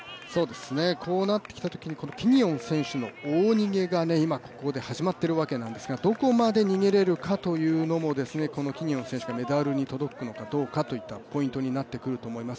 こうなってきたときにキニオン選手の大逃げが今、ここで始まっているわけですがどこまで逃げれるかというのも、このキニオン選手がメダルに届くのかどうかというところになってきます。